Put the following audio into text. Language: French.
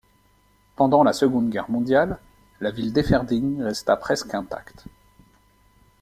Pendant la Seconde Guerre mondiale, la ville d’Eferding resta presque intacte.